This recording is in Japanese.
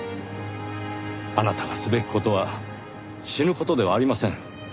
あなたがすべき事は死ぬ事ではありません。